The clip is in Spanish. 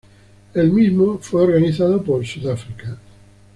El mismo fue organizado por Sudáfrica.